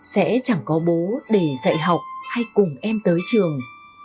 sẽ chẳng có bố để dạy học hay cùng em tới trường